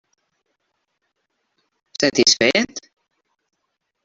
Satisfet?